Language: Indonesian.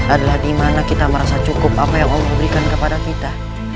adalah dimana kita merasa cukup apa yang allah memberikan kepada kita